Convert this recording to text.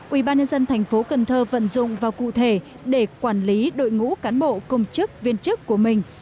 ubnd tp cần thơ vận dụng vào cụ thể để quản lý đội ngũ cán bộ công chức viên chức của mình